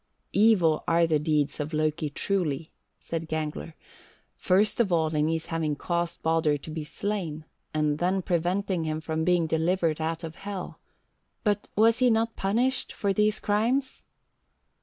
61. "Evil are the deeds of Loki truly," said Gangler; "first of all in his having caused Baldur to be slain, and then preventing him from being delivered out of Hel. But was he not punished for these crimes?"